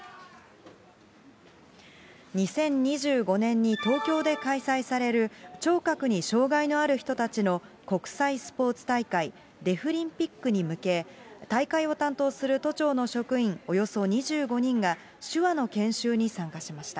２０２５年に東京で開催される、聴覚に障害のある人たちの国際スポーツ大会、デフリンピックに向け、大会を担当する都庁の職員およそ２５人が、手話の研修に参加しました。